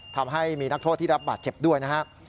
ทำให้มีนักโทษที่รับบาดเจ็บด้วยนะครับ